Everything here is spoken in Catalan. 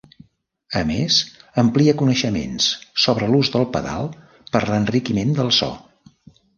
A més, amplia coneixements sobre l'ús del pedal per l'enriquiment del so.